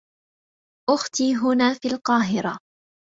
أختي هنا في القاهرة.